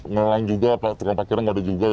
ngelang juga tengah tengah parkiran gak ada juga